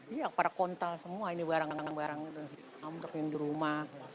iya pada kontal semua ini barang barang itu ngambek ini di rumah